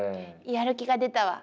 やる気が出たわ。